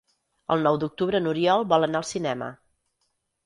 El nou d'octubre n'Oriol vol anar al cinema.